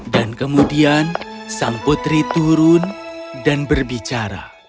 dan kemudian sang putri turun dan berbicara